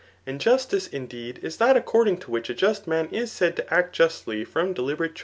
And jus« tic^ indeed, is that according to which a just man is said to act justly from deliberate.